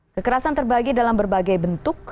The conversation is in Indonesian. kekerasan terbagi dalam berbagai bentuk